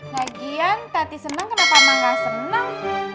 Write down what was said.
lagian tadi seneng kenapa mah gak seneng